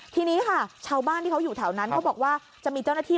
ทีนี้ค่ะชาวบ้านที่เขาอยู่แถวนั้นเขาบอกว่าจะมีเจ้าหน้าที่